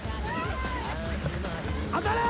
当たれ！